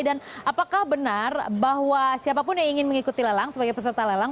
dan apakah benar bahwa siapapun yang ingin mengikuti lelang sebagai peserta lelang